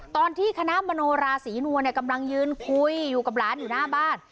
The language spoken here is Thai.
ตอนที่คณะมโนราศีนวลกำลังยืนคุยอยู่กับหลานอยู่หน้าบ้าน